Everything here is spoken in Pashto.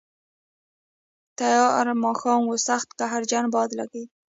تیاره ماښام و، سخت قهرجن باد لګېده.